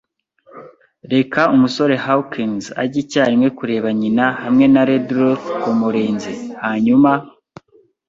Reka umusore Hawkins ajye icyarimwe kureba nyina, hamwe na Redruth kumurinzi; hanyuma